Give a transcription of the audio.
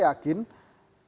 kenapa waktu itu sbb